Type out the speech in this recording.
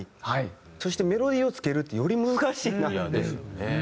そしてメロディーをつけるってより難しいなって。ですよね。